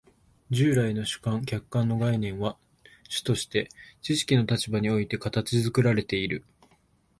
従来の主観・客観の概念は主として知識の立場において形作られている。